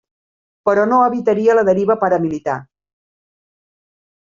Però no evitaria la deriva paramilitar.